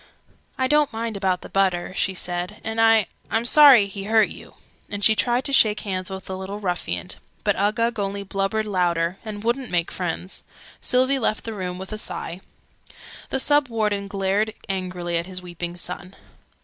"I don't mind about the butter," she said, "and I I'm sorry he hurt you!" And she tried to shake hands with the little ruffian: but Uggug only blubbered louder, and wouldn't make friends. Sylvie left the room with a sigh. The Sub Warden glared angrily at his weeping son.